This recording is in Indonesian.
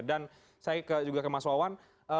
dan saya juga ke mas wawan